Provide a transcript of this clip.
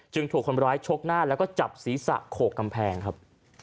ถูกคนร้ายชกหน้าแล้วก็จับศีรษะโขกกำแพงครับ